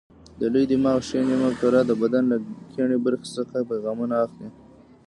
د لوی دماغ ښي نیمه کره د بدن له کیڼې برخې څخه پیغامونه اخلي.